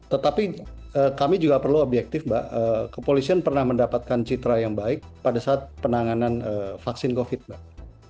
tetapi kami juga perlu objektif mbak kepolisian pernah mendapatkan citra yang baik pada saat penanganan vaksin covid mbak